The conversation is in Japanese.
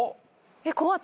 怖っ。